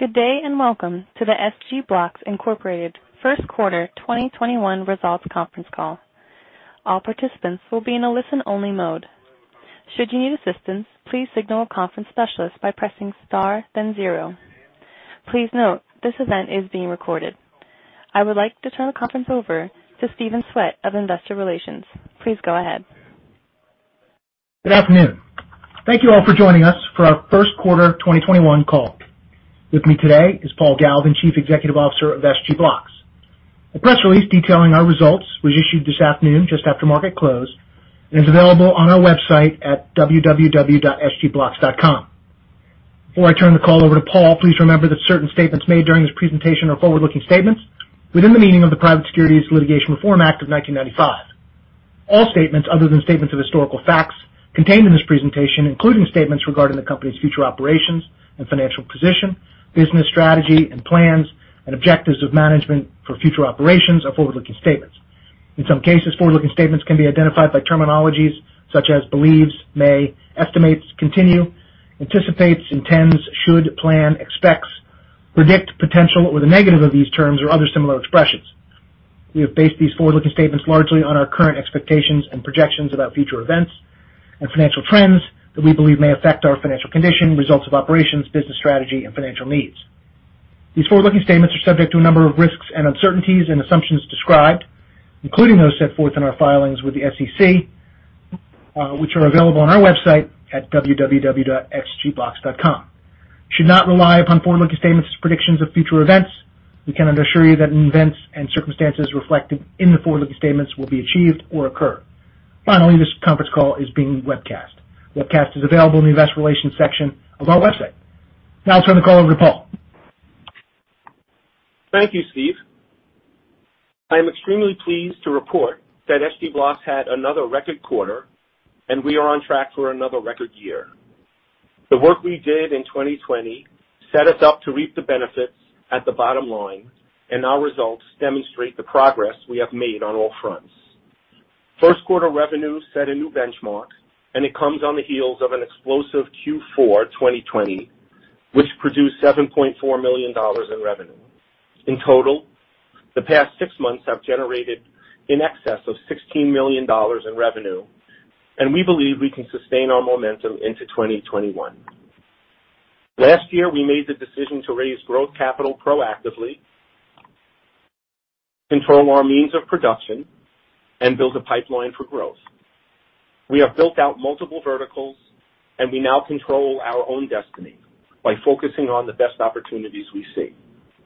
Good day, welcome to the SG Blocks Incorporated First Quarter 2021 Results Conference Call. All participants will be in a listen-only mode. Should you need assistance, please signal a conference specialist by pressing star then zero. Please note, this event is being recorded. I would like to turn the conference over to Stephen C. Swett of Investor Relations. Please go ahead. Good afternoon. Thank you all for joining us for our first quarter 2021 call. With me today is Paul Galvin, Chief Executive Officer of SG Blocks. A press release detailing our results was issued this afternoon just after market close and is available on our website at www.sgblocks.com. Before I turn the call over to Paul, please remember that certain statements made during this presentation are forward-looking statements within the meaning of the Private Securities Litigation Reform Act of 1995. All statements other than statements of historical facts contained in this presentation, including statements regarding the company's future operations and financial position, business strategy and plans, and objectives of management for future operations are forward-looking statements. In some cases, forward-looking statements can be identified by terminologies such as believes, may, estimates, continue, anticipates, intends, should, plan, expects, predict, potential, or the negative of these terms or other similar expressions. We have based these forward-looking statements largely on our current expectations and projections about future events and financial trends that we believe may affect our financial condition, results of operations, business strategy, and financial needs. These forward-looking statements are subject to a number of risks and uncertainties and assumptions described, including those set forth in our filings with the SEC, which are available on our website at www.sgblocks.com. You should not rely upon forward-looking statements as predictions of future events. We cannot assure you that any events and circumstances reflected in the forward-looking statements will be achieved or occur. Finally, this conference call is being webcast. Webcast is available in the Investor Relations section of our website. Now I'll turn the call over to Paul. Thank you, Steve. I am extremely pleased to report that SG Blocks had another record quarter, and we are on track for another record year. The work we did in 2020 set us up to reap the benefits at the bottom line, and our results demonstrate the progress we have made on all fronts. First quarter revenue set a new benchmark, and it comes on the heels of an explosive Q4 2020, which produced $7.4 million in revenue. In total, the past six months have generated in excess of $16 million in revenue, and we believe we can sustain our momentum into 2021. Last year, we made the decision to raise growth capital proactively, control our means of production, and build a pipeline for growth. We have built out multiple verticals, and we now control our own destiny by focusing on the best opportunities we see.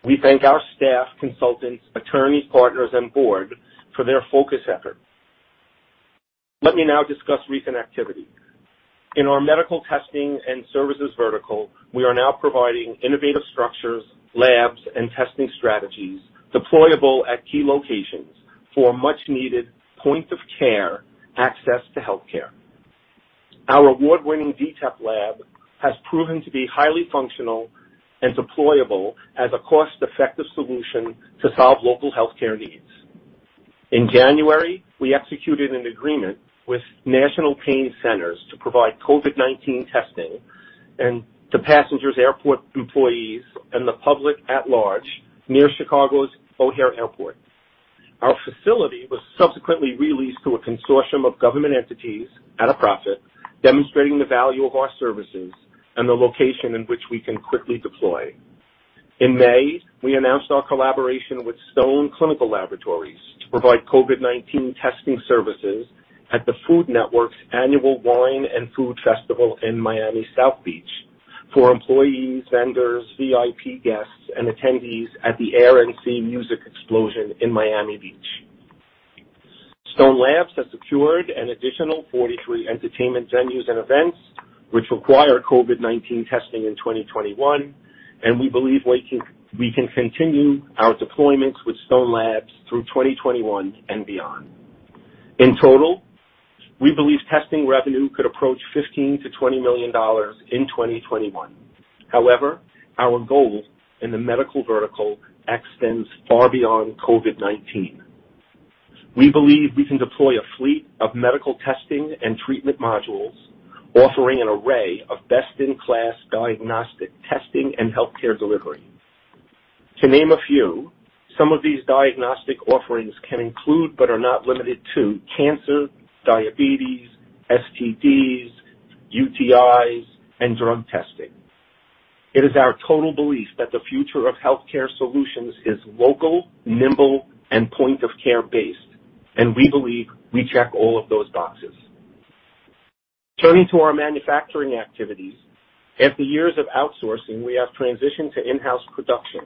We thank our staff, consultants, attorneys, partners, and board for their focused effort. Let me now discuss recent activity. In our medical testing and services vertical, we are now providing innovative structures, labs, and testing strategies deployable at key locations for much-needed point-of-care access to healthcare. Our award-winning D-TEC lab has proven to be highly functional and deployable as a cost-effective solution to solve local healthcare needs. In January, we executed an agreement with National Pain Centers to provide COVID-19 testing and the passengers, airport employees, and the public at large near Chicago's O'Hare Airport. Our facility was subsequently re-leased to a consortium of government entities at a profit, demonstrating the value of our services and the location in which we can quickly deploy. In May, we announced our collaboration with Stone Clinical Laboratories to provide COVID-19 testing services at the Food Network South Beach Wine & Food Festival for employees, vendors, VIP guests, and attendees at the Hyundai Air & Sea Show. Stone Labs has secured an additional 43 entertainment venues and events which require COVID-19 testing in 2021, and we believe we can continue our deployments with Stone Labs through 2021 and beyond. In total, we believe testing revenue could approach $15 million-$20 million in 2021. However, our goal in the medical vertical extends far beyond COVID-19. We believe we can deploy a fleet of medical testing and treatment modules offering an array of best-in-class diagnostic testing and healthcare delivery. To name a few, some of these diagnostic offerings can include, but are not limited to cancer, diabetes, STDs, UTIs, and drug testing. It is our total belief that the future of healthcare solutions is local, nimble, and point-of-care based, and we believe we check all of those boxes. Turning to our manufacturing activities, after years of outsourcing, we have transitioned to in-house production.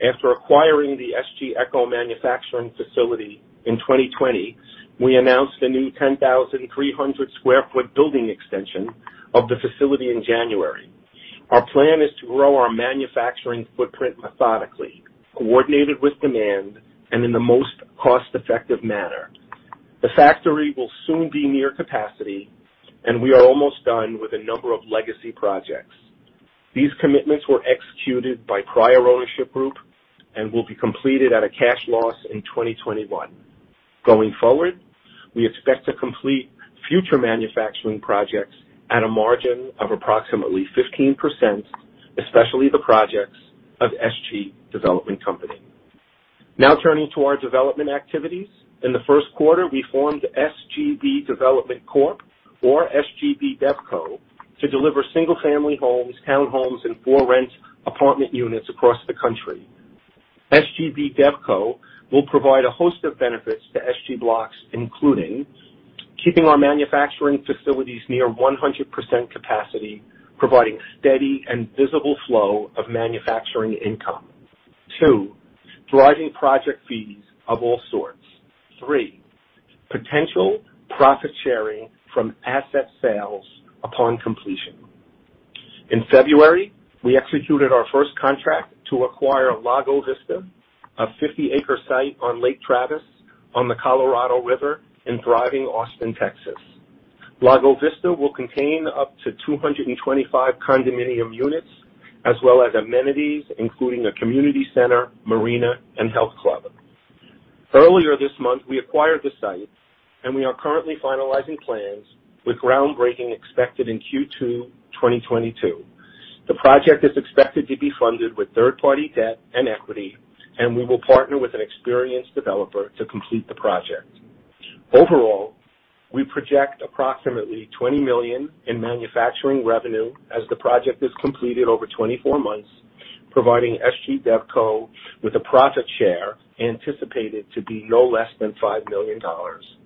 After acquiring the SG ECHO manufacturing facility in 2020, we announced a new 10,300 sq ft building extension of the facility in January. Our plan is to grow our manufacturing footprint methodically, coordinated with demand, and in the most cost-effective manner. The factory will soon be near capacity, and we are almost done with a number of legacy projects. These commitments were executed by prior ownership group and will be completed at a cash loss in 2021. Going forward, we expect to complete future manufacturing projects at a margin of approximately 15%, especially the projects of SG Development Company. Now turning to our development activities. In the first quarter, we formed SGB Development Corp, or SGB DevCo, to deliver single-family homes, townhomes, and for-rent apartment units across the country. SGB DevCo will provide a host of benefits to SG Blocks, including keeping our manufacturing facilities near 100% capacity, providing steady and visible flow of manufacturing income. Two, driving project fees of all sorts. Three, potential profit sharing from asset sales upon completion. In February, we executed our first contract to acquire Lago Vista, a 50-acre site on Lake Travis on the Colorado River in thriving Austin, Texas. Lago Vista will contain up to 225 condominium units as well as amenities including a community center, marina, and health club. Earlier this month, we acquired the site and we are currently finalizing plans with groundbreaking expected in Q2 2022. The project is expected to be funded with third-party debt and equity, and we will partner with an experienced developer to complete the project. Overall, we project approximately $20 million in manufacturing revenue as the project is completed over 24 months, providing SGB DevCo with a project share anticipated to be no less than $5 million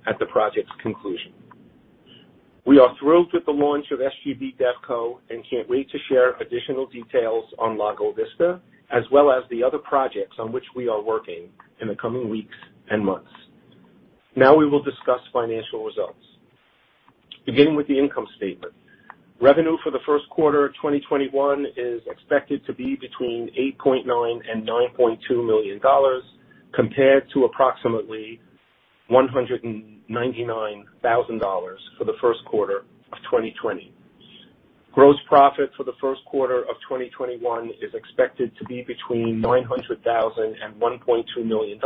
at the project's conclusion. We are thrilled with the launch of SGB DevCo and can't wait to share additional details on Lago Vista as well as the other projects on which we are working in the coming weeks and months. Now we will discuss financial results. Beginning with the income statement. Revenue for the first quarter of 2021 is expected to be between $8.9 million and $9.2 million, compared to approximately $199,000 for the first quarter of 2020. Gross profit for the first quarter of 2021 is expected to be between $900,000 and $1.2 million,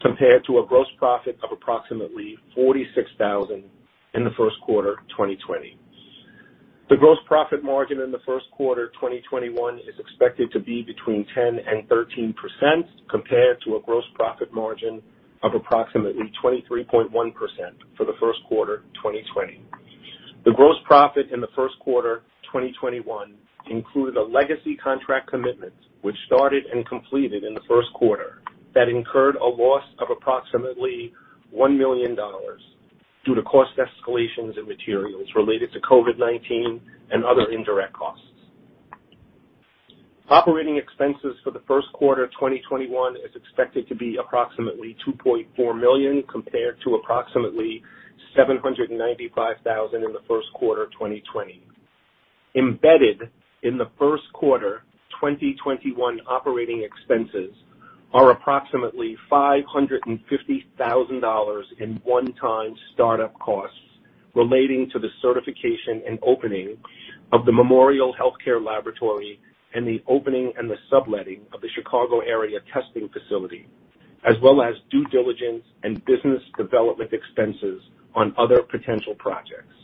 compared to a gross profit of approximately $46,000 in the first quarter of 2020. The gross profit margin in the first quarter 2021 is expected to be between 10% and 13%, compared to a gross profit margin of approximately 23.1% for the first quarter of 2020. The gross profit in the first quarter of 2021 include a legacy contract commitment which started and completed in the first quarter that incurred a loss of approximately $1 million due to cost escalations in materials related to COVID-19 and other indirect costs. Operating expenses for the first quarter 2021 is expected to be approximately $2.4 million, compared to approximately $795,000 in the first quarter 2020. Embedded in the first quarter 2021 operating expenses are approximately $550,000 in one-time startup costs relating to the certification and opening of the Memorial Healthcare Laboratory and the opening and the subletting of the Chicago area testing facility, as well as due diligence and business development expenses on other potential projects.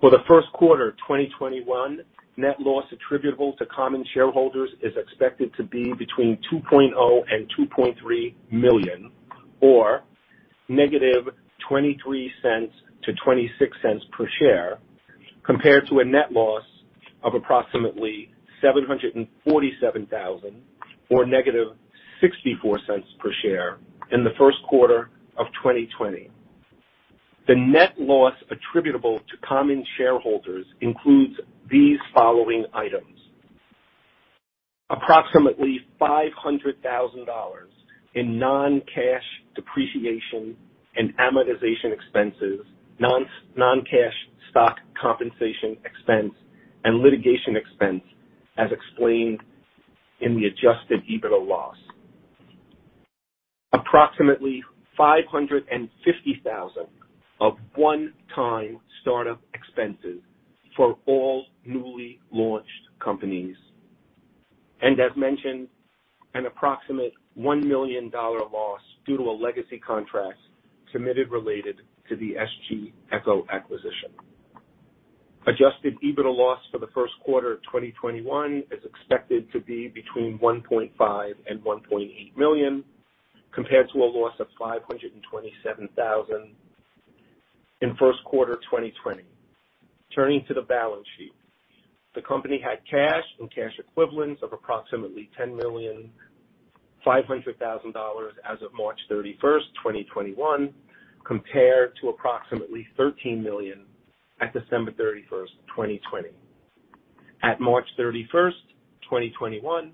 For the first quarter of 2021, net loss attributable to common shareholders is expected to be between $2.0 million and $2.3 million, or -$0.23 to -$0.26 per share, compared to a net loss of approximately $747,000, or -$0.64 per share in the first quarter of 2020. The net loss attributable to common shareholders includes these following items. Approximately $500,000 in non-cash depreciation and amortization expenses, non-cash stock compensation expense, and litigation expense as explained in the adjusted EBITDA loss. Approximately $550,000 of one-time startup expenses for all newly launched companies. As mentioned, an approximate $1 million loss due to a legacy contract committed related to the SG Echo acquisition. Adjusted EBITDA loss for the first quarter of 2021 is expected to be between $1.5 million and $1.8 million, compared to a loss of $527,000 in first quarter 2020. Turning to the balance sheet. The company had cash and cash equivalents of approximately $10,500,000 as of March 31st, 2021, compared to approximately $13 million at December 31st, 2020. At March 31st, 2021,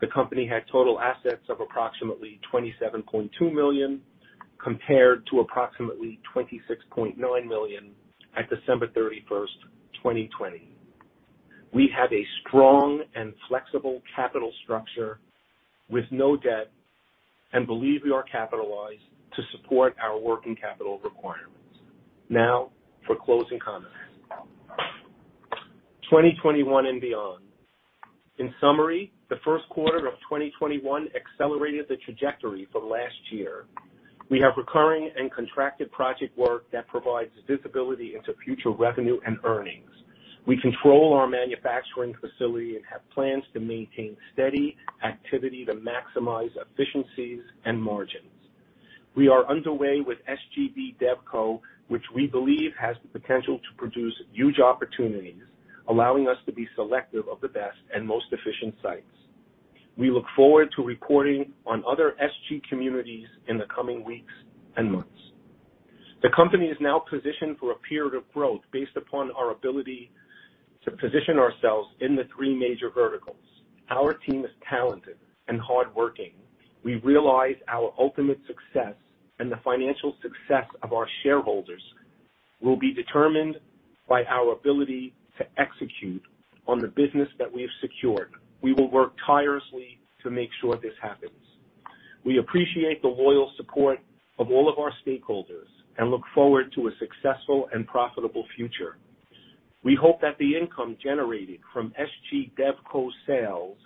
the company had total assets of approximately $27.2 million, compared to approximately $26.9 million at December 31st, 2020. We have a strong and flexible capital structure with no debt and believe we are capitalized to support our working capital requirements. Now for closing comments. 2021 and beyond. In summary, the first quarter of 2021 accelerated the trajectory from last year. We have recurring and contracted project work that provides visibility into future revenue and earnings. We control our manufacturing facility and have plans to maintain steady activity to maximize efficiencies and margins. We are underway with SGB DevCo, which we believe has the potential to produce huge opportunities, allowing us to be selective of the best and most efficient sites. We look forward to reporting on other SG communities in the coming weeks and months. The company is now positioned for a period of growth based upon our ability to position ourselves in the three major verticals. Our team is talented and hardworking. We realize our ultimate success and the financial success of our shareholders will be determined by our ability to execute on the business that we've secured. We will work tirelessly to make sure this happens. We appreciate the loyal support of all of our stakeholders and look forward to a successful and profitable future. We hope that the income generated from SGB DevCo sales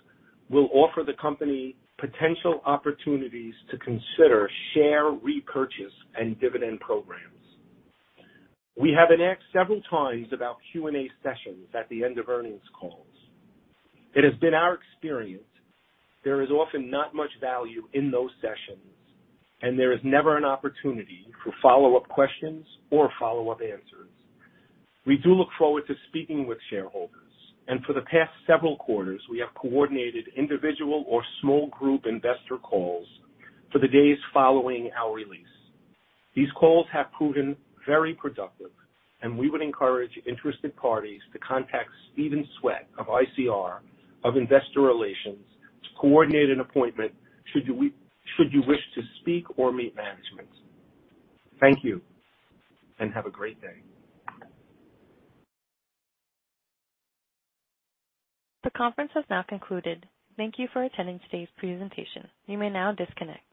will offer the company potential opportunities to consider share repurchase and dividend programs. We have been asked several times about Q&A sessions at the end of earnings calls. It has been our experience there is often not much value in those sessions, and there is never an opportunity for follow-up questions or follow-up answers. We do look forward to speaking with shareholders, and for the past several quarters, we have coordinated individual or small group investor calls for the days following our release. These calls have proven very productive, and we would encourage interested parties to contact Stephen C. Swett of ICR of Investor Relations to coordinate an appointment should you wish to speak or meet management. Thank you and have a great day. The conference has now concluded. Thank you for attending today's presentation. You may now disconnect.